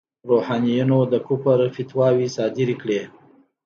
روحانیونو د کفر فتواوې صادرې کړې.